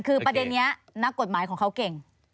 คือประเด็นนี้นักกฎหมายของเขาเก่ง